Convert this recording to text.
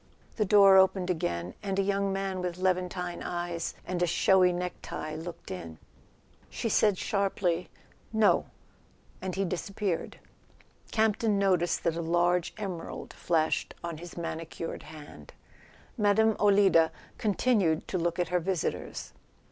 The door opened again, and a young man with Levantine eyes and a showy necktie looked in. She said sharply: "No," and he disappeared. Campton noticed that a large emerald flashed on his [ 243 ] A SON AT THE FRONT manicured hand. Mme. Olida continued to look at her visitors.